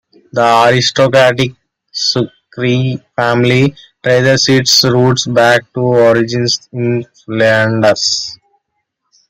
The aristocratic Sucre family traces its roots back to origins in Flanders.